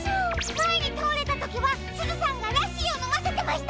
まえにたおれたときはすずさんがラッシーをのませてました。